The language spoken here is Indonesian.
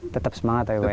tetap semangat ya pak ya